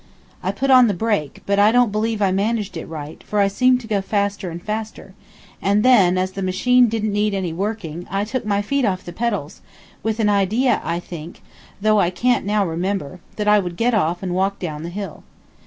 I put on the brake, but I don't believe I managed it right, for I seemed to go faster and faster; and then, as the machine didn't need any working, I took my feet off the pedals, with an idea, I think, though I can't now remember, that I would get off and walk down the hill.